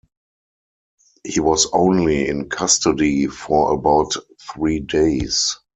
He was only in custody for about three days.